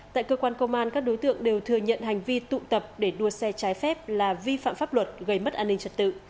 tại cơ quan công an các đối tượng đều thừa nhận hành vi tụ tập để đua xe trái phép là vi phạm pháp luật gây mất an ninh trật tự